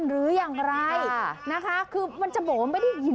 หรืออย่างไรนะคะคือมันจะบอกว่าไม่ได้ยิน